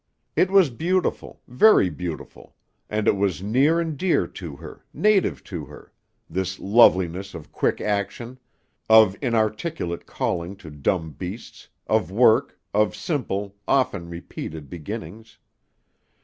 It was beautiful, very beautiful, and it was near and dear to her, native to her this loveliness of quick action, of inarticulate calling to dumb beasts, of work, of simple, often repeated beginnings.